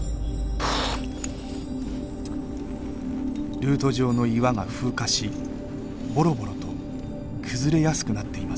ルート上の岩が風化しボロボロと崩れやすくなっています。